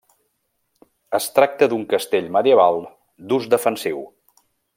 Es tracta d’un castell medieval d’ús defensiu.